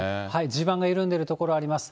地盤が緩んでいる所あります。